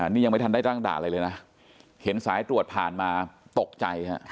นี่ยังไม่ทันได้ตั้งด่าอะไรเลยนะเห็นสายตรวจผ่านมาตกใจฮะ